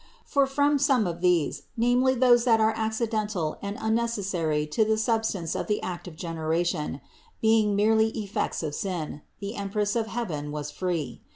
For from some of these, namely those that are accidental and unnecessary to the substance of the act of generation, being merely effects of sin, the Empress of heaven was free.